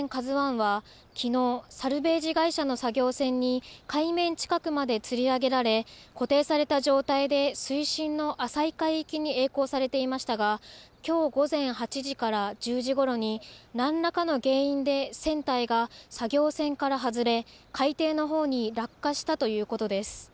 ＫＡＺＵＩはきのうサルベージ会社の作業船に海面近くまでつり上げられ固定された状態で水深の浅い海域にえい航されていましたがきょう午前８時から１０時ごろに何らかの原因で船体が作業船から外れ、海底のほうに落下したということです。